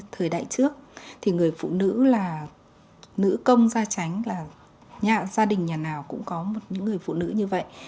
thời đại trước thì người phụ nữ là nữ công da tránh gia đình nhà nào cũng có những người phụ nữ như vậy